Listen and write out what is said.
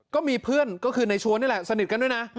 ก็มีเพื่อนก็คือในชวนนี่แหละสนิทกันด้วยนะ